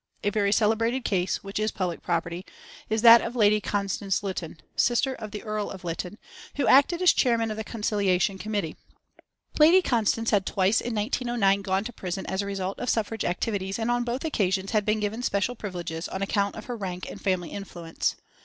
A very celebrated case, which is public property, is that of Lady Constance Lytton, sister of the Earl of Lytton, who acted as chairman of the Conciliation Committee. Lady Constance had twice in 1909 gone to prison as a result of suffrage activities, and on both occasions had been given special privileges on account of her rank and family influence.